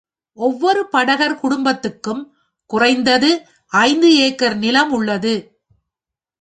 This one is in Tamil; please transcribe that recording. ஒவ்வொரு படகர் குடும்பத்துக்கும் குறைந்தது ஐந்து ஏக்கர் நிலம் உள்ளது.